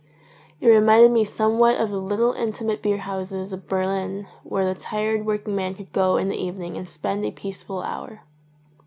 It re minded me somewhat of the little intimate beer houses of Berlin where the tired working man could go in the evening and spend a peaceful hour.